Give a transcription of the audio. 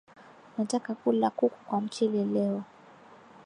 Nataka kula kuku kwa mchele leo